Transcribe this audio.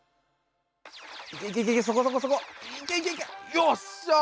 よっしゃ！